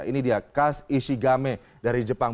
ini dia kas ishigame dari jepang